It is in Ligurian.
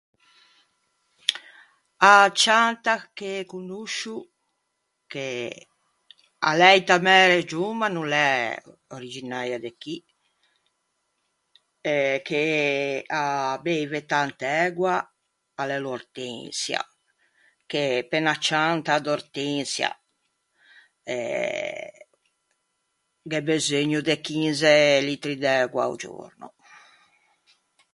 A cianta che conoscio, che a l'é inta mæ region ma no l'é originäia de chì, e che a beive tant'ægua a l'é l'ortensia, che pe unna cianta d'ortensia... eh... gh'é beseugno de chinze litri d'ægua a-o giorno.